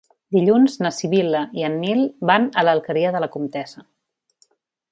Dilluns na Sibil·la i en Nil van a l'Alqueria de la Comtessa.